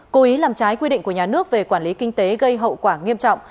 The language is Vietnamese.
cố ý làm trái quy định của nhà nước về quản lý kinh tế gây hậu quả nghiêm trọng